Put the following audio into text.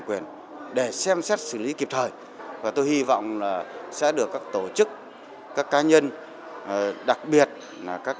quyền để xem xét xử lý kịp thời và tôi hy vọng là sẽ được các tổ chức các cá nhân đặc biệt là các